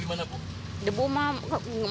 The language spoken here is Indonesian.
soal debu gimana bu